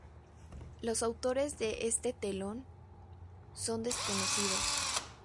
Los autores de este telón, son desconocidos.